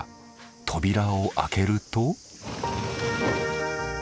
扉を開けると。